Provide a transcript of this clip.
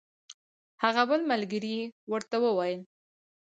هغه بل ملګري یې ورته وویل.